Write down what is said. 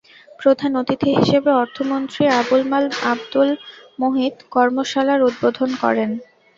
প্রধান অতিথি হিসেবে অর্থমন্ত্রী আবুল মাল আবদুল মুহিত কর্মশালার উদ্বোধন করেন।